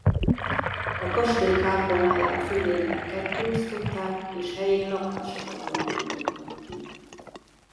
A kastély kápolnáját födémmel kettéosztották és helyén lakásokat alakítottak ki.